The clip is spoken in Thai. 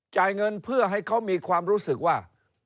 จ่ายเงินเพื่อให้เขามีความรู้สึกว่า